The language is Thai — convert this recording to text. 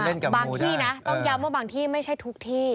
ต้องแย้มว่าบางที่ไม่ใช่ทุกที่